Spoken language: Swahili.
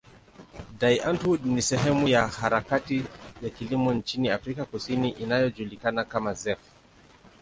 Die Antwoord ni sehemu ya harakati ya kilimo nchini Afrika Kusini inayojulikana kama zef.